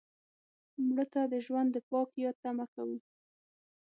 مړه ته د ژوند د پاک یاد تمه کوو